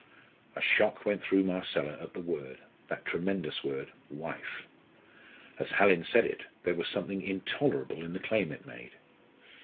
A shock went through Marcella at the word that tremendous word wife. As Hallin said it, there was something intolerable in the claim it made!